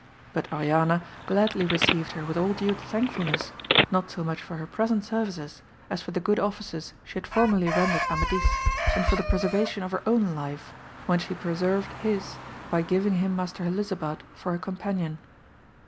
But . Oriana gladly received her with all due thankfulness, not so much for her present services, as for the good offices she had formerly rendered Amadis, and for the preservation of her own life, when she preserved his by giving him Master Helisabad for a companion.